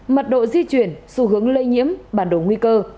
mật độ di chuyển xu hướng lây nhiễm bản đồ nguy cơ